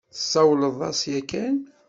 Tessawleḍ-as yakan?